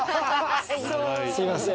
すみません。